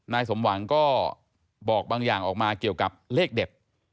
สมหวังก็บอกบางอย่างออกมาเกี่ยวกับเลขเด็ด